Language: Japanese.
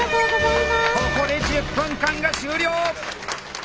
ここで１０分間が終了！